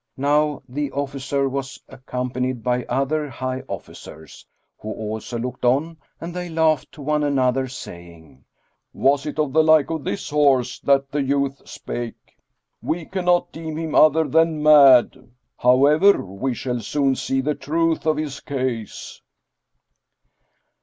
Now the officer was accompanied by other high officers, who also looked on and they laughed to one another, saying, "Was it of the like of this horse that the youth spake? We cannot deem him other than mad; however, we shall soon see the truth of his case."